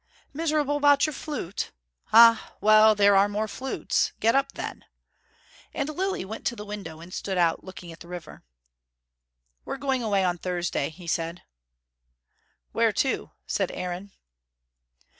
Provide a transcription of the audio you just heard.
"Miserable about your flute? Ah, well, there are more flutes. Get up then." And Lilly went to the window, and stood looking out at the river. "We're going away on Thursday," he said. "Where to?" said Aaron.